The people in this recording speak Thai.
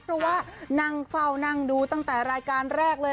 เพราะว่านั่งเฝ้านั่งดูตั้งแต่รายการแรกเลย